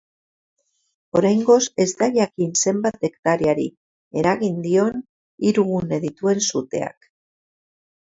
Oraingoz ez da jakin zenbat hektareari eragin dion hiru gune dituen suteak.